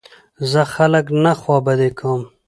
زه خلک نه خوابدي کوم.